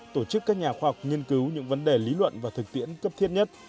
tổ chức các nhà khoa học nghiên cứu những vấn đề lý luận và thực tiễn cấp thiết nhất